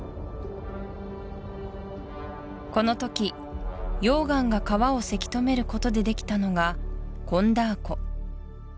このとき溶岩が川をせき止めることでできたのがコンダー湖